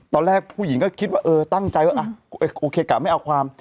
ตอนแรกผู้หญิงก็คิดว่าเออตั้งใจว่าโอเคกะไม่เอาความ